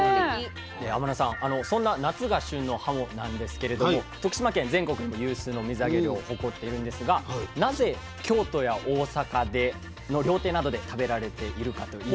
天野さんそんな夏が旬のはもなんですけれども徳島県全国でも有数の水揚げ量を誇っているんですがなぜ京都や大阪の料亭などで食べられているかといいますと。